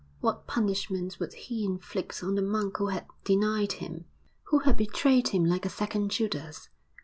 What punishment would He inflict on the monk who had denied Him who had betrayed Him like a second Judas?